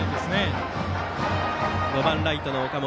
打席は５番ライトの岡本。